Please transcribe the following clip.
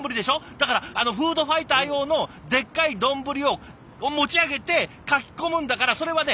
だからフードファイター用のでっかい丼を持ち上げてかき込むんだからそれはね